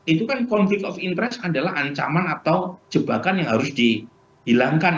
itu kan conflict of interest adalah ancaman atau jebakan yang harus dihilangkan